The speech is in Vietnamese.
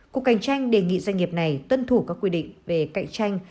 cục cạnh tranh đề nghị doanh nghiệp này tuân thủ các quy định về cạnh tranh